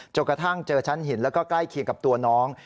กระทั่งเจอชั้นหินแล้วก็ใกล้เคียงกับตัวน้อง